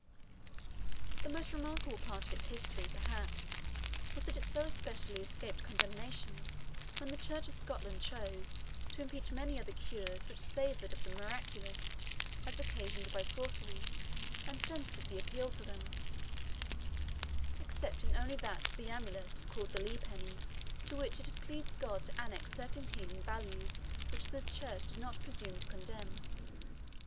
The most remarkable part of its history, perhaps, was that it so especially escaped condemnation when the Church of Scotland chose to impeach many other cures which savoured of the miraculous, as occasioned by sorcery, and censured the appeal to them, "excepting only that to the amulet, called the Lee penny, to which it had pleased God to annex certain healing virtues which the Church did not presume to condemn."